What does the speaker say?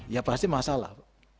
ya pasti masalah